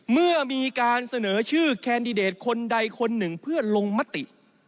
เมื่อมีการเสนอชื่อแคนดิเดตคนใดคนหนึ่งเพื่อลงมติ